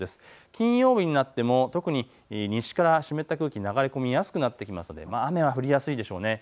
金曜日になっても特に西から湿った空気が流れ込みやすくなるので雨は降りやすいでしょう。